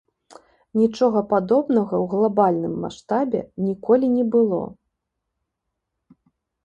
Нічога падобнага ў глабальным маштабе ніколі не было.